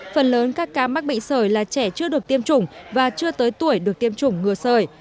phần lớn các ca mắc bệnh sởi là trẻ chưa được tiêm chủng và chưa tới tuổi được tiêm chủng ngừa sởi